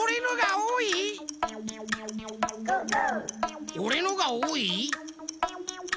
おれのがおおい？